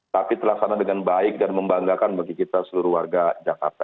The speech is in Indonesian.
tapi terlaksana dengan baik dan membanggakan bagi kita seluruh warga jakarta